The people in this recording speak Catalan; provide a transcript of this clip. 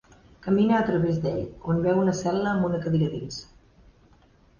Camina a través d'ell, on veu una cel·la amb una cadira dins.